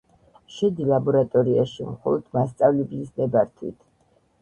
შედი ლაბორატორიაში მხოლოდ მასწავლებლის ნებართვიტ